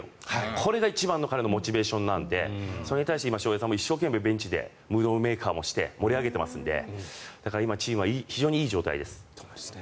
これが一番の彼のモチベーションなのでそれに対して翔平さんもベンチでムードメーカーをして盛り上げていますので今、チームは非常にいい状態です。